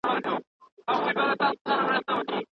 موږ اوسنی مهال له تېر سره پرتله کوو.